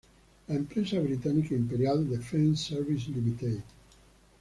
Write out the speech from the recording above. La empresa británica Imperial Defence Services Ltd.